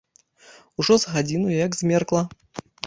Ужо з гадзіну як змеркла.